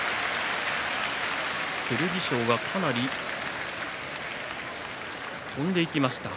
剣翔がかなり飛ばされました。